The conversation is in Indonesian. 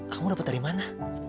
kamu dapat dari mana